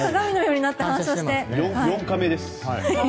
４カメです。